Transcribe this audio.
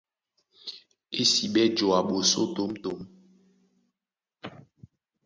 Ésiɓɛ́ joa ɓosó tǒmtǒm.